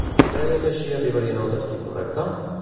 Creia que així arribarien al destí correcte?